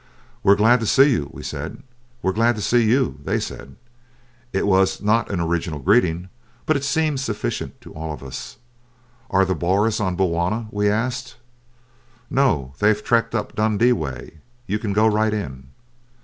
"We're glad to see you," we said. "We're glad to see you," they said. It was not an original greeting, but it seemed sufficient to all of us. "Are the Boers on Bulwana?" we asked. "No, they've trekked up Dundee way. You can go right in."